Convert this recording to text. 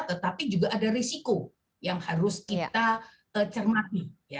tetapi juga ada risiko yang harus kita cermati